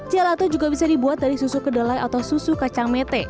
gelato juga bisa dibuat dari susu kedelai atau susu kacang mete